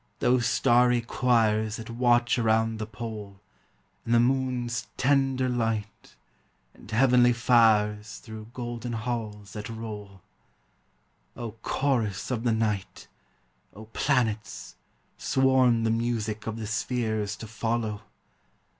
Those starry choirs That watch around the pole, And the moon's tender light, and heavenly fires Through golden halls that roll. O chorus of the night! O planets, sworn The music of the spheres To follow!